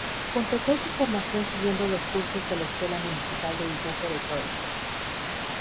Completó su formación siguiendo los cursos de la escuela municipal de dibujo de Troyes.